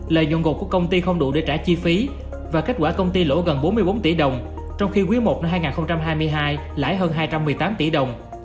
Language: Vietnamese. lợi dụng gột của công ty không đủ để trả chi phí và kết quả công ty lỗ gần bốn mươi bốn tỷ đồng trong khi quý i năm hai nghìn hai mươi hai lãi hơn hai trăm một mươi tám tỷ đồng